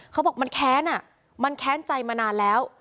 เขาบอกมันแค้นอ่ะมันแค้นใจมานานแล้ว